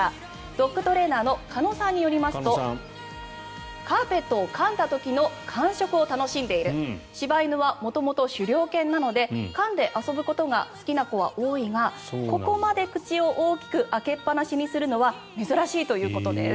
ドッグトレーナーの鹿野さんによりますとカーペットをかんだ時の感触を楽しんでいる柴犬は元々、狩猟犬なのでかんで遊ぶことが好きな子は多いがここまで口を大きく開けっぱなしにするのは珍しいということです。